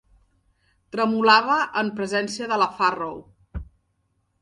Tremolava en presència de la Farrow.